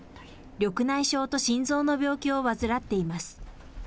緑内障と心臓の病気を患っています。